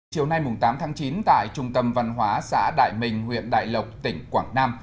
chiều nay tám tháng chín tại trung tâm văn hóa xã đại mình huyện đại lộc tỉnh quảng nam